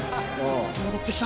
戻ってきた！